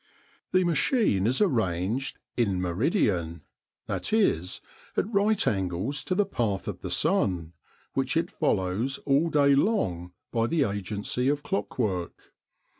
The machine is arranged in meridian, that is, at right angles to the path of the sun, which it follows all day long by the agency of clockwork.